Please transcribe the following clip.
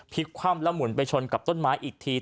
คว่ำแล้วหมุนไปชนกับต้นไม้อีกที